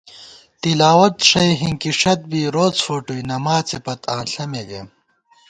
تِلاوت ݭَئی ہِنکِݭت بی روڅ فوٹُوئی نماڅے پت آں ݪمےگئیم